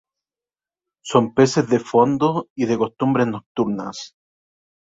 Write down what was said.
Son peces de fondo y de costumbres nocturnas.